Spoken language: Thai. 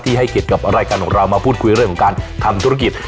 ให้เกียรติกับรายการของเรามาพูดคุยเรื่องของการทำธุรกิจ